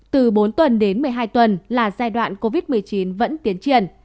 từ bốn tuần đến một mươi hai tuần là giai đoạn covid một mươi chín vẫn tiến triển